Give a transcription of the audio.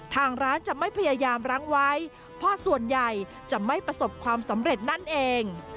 ทางร้านจะไม่พยายามรั้งไว้เพราะส่วนใหญ่จะไม่ประสบความสำเร็จนั่นเอง